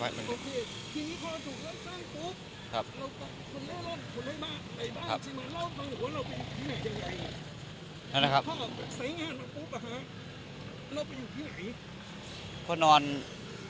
อันนี้ช่วงเดือนไหนไม่นานน่ะ